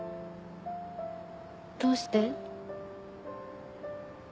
どうして？